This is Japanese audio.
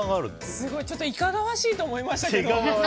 ちょっといかがわしいと思いましたけど。